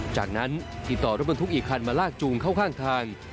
จากนั้นติดต่อรถบรรทุกอีกคันมาลากจูงเข้าข้างทาง